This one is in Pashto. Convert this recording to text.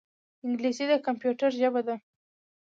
انګلیسي د کمپیوټر ژبه ده